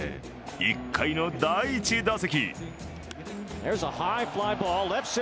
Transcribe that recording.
１回の第１打席。